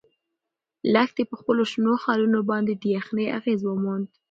لښتې په خپلو شنو خالونو باندې د یخنۍ اغیز وموند.